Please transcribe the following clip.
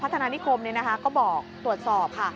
พัฒนานิคมก็บอกตรวจสอบค่ะ